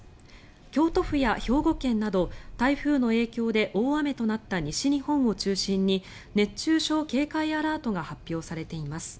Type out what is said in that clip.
京都府や兵庫県など台風の影響で大雨となった西日本を中心に熱中症警戒アラートが発表されています。